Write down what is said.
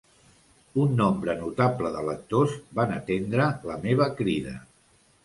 Un nombre notable de lectors van atendre la meva crida.